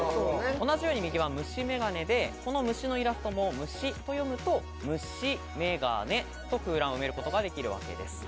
同じように右は虫眼鏡でこの虫のイラストを虫と読むと虫眼鏡と空欄を埋めることができるわけです。